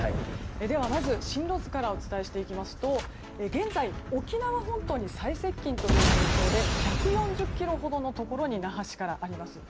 では、まず進路図からお伝えしていきますと現在、沖縄本島に最接近という状況で１４０ｋｍほどのところに那覇市からあります。